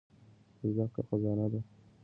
زده کړه خزانه ده.